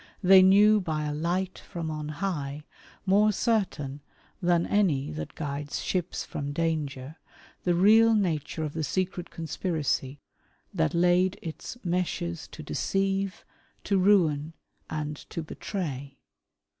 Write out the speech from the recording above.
They knew by a Light from on high, more certain than any that guides ships from danger, the real nature of the secret conspiracy that laid its meshes to deceive, to ruin, and to betray.